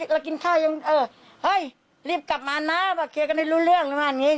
เรากินข้ายังเออเฮ้ยรีบกลับมานะมาเคลียร์กันให้รู้เรื่องหรือเปล่าอย่างงี้